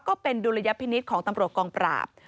ดุลยพินิษฐ์ของตำรวจกองปราบ